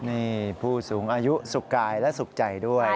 นี่ผู้สูงอายุสุขกายและสุขใจด้วย